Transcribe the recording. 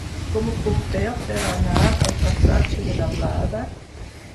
Com ho puc fer per anar al passatge de la Blada?